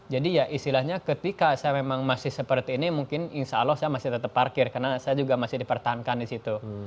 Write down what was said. jadi ya istilahnya ketika saya memang masih seperti ini mungkin insya allah saya masih tetap parkir karena saya juga masih dipertahankan disitu